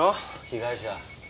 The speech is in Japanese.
被害者。